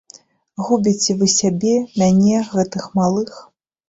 Губіце вы сябе, мяне, гэтых малых.